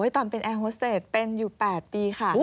ตอนเป็นแอร์โฮสเตจเป็นอยู่๘ปีค่ะ